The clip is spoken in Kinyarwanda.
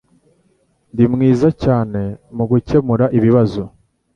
Ndi mwiza cyane mugukemura ibibazo